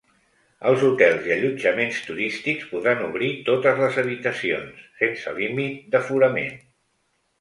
Els hotels i allotjaments turístics podran obrir totes les habitacions, sense límit d’aforament.